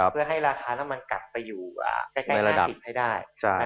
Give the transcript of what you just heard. เพื่อให้ราคาน้ำมันกลับไปอยู่ใกล้ธุรกิจให้ได้